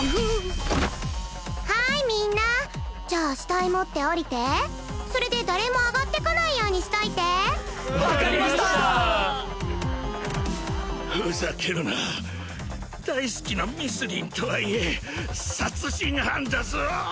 はーいみんなじゃあ死体持って降りてそれで誰も上がってこないようにしといて分かりましたふざけるな大好きなミスリンとはいえ殺人犯だぞ